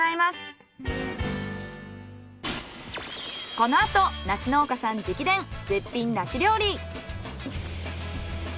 このあと梨農家さん直伝絶品梨料理！